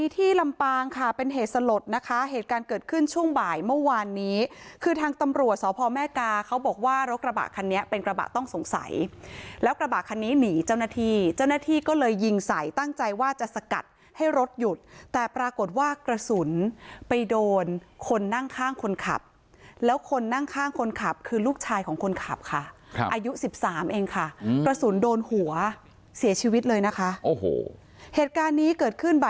ที่ลำปางค่ะเป็นเหตุสลดนะคะเหตุการณ์เกิดขึ้นช่วงบ่ายเมื่อวานนี้คือทางตำรวจสพแม่กาเขาบอกว่ารถกระบะคันนี้เป็นกระบะต้องสงสัยแล้วกระบะคันนี้หนีเจ้าหน้าที่เจ้าหน้าที่ก็เลยยิงใส่ตั้งใจว่าจะสกัดให้รถหยุดแต่ปรากฏว่ากระสุนไปโดนคนนั่งข้างคนขับแล้วคนนั่งข้างคนขับคือลูกชายของคนขับค่ะครับอายุสิบสามเองค่ะกระสุนโดนหัวเสียชีวิตเลยนะคะโอ้โหเหตุการณ์นี้เกิดขึ้นบ